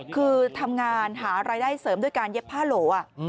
คือทำงานหารายได้เสริมด้วยการเย็บผ้าโหล